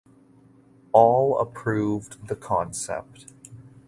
All approved the concept.